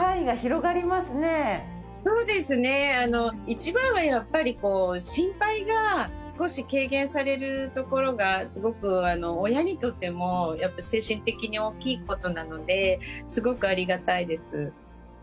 一番はやっぱり心配が少し軽減されるところがすごく親にとってもやっぱり精神的に大きい事なのですごくありがたいです。